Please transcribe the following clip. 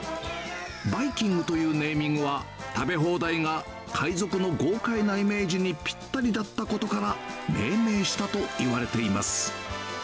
バイキングというネーミングは、食べ放題が海賊の豪快なイメージにぴったりだったことから、命名したといわれています。